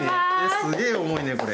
すげえ重いねこれ。